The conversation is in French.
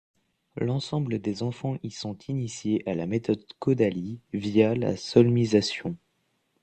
L'ensemble des enfants y sont initiés à la méthode Kodaly via la solmisation.